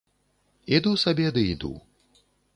Іду сабе ды іду.